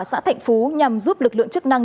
xã thạnh phú nhằm giúp lực lượng chức năng